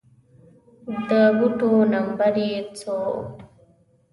د بوټو نمبر يې څو و